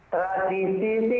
tradisi sih ya ya seperti